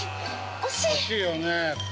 ◆惜しいよね。